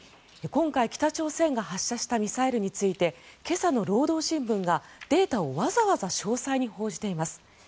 今回、北朝鮮が発射したミサイルについて今朝の労働新聞が、データをわざわざ詳細に報じています。